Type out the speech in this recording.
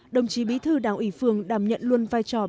đồng chí bí thư đào ủy phường đảm nhận luôn